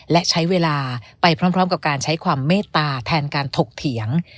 และใช้เวลาไปพร้อมกับการใช้ความเมตตาแทนการถกเถียง